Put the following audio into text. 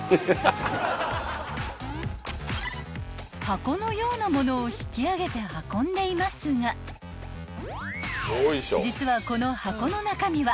［箱のようなものを引き上げて運んでいますが実はこの箱の中身は］